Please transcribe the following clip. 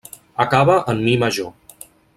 Acaba en mi major.